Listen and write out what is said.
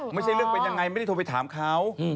ไม่ใช่เรื่องเป็นยังไงไม่ได้โทรไปถามเขา